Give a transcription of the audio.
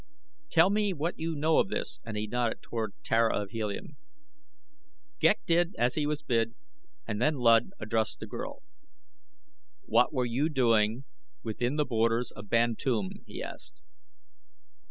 "Tell me what you know of this," and he nodded toward Tara of Helium. Ghek did as he was bid and then Luud addressed the girl. "What were you doing within the borders of Bantoom?" he asked.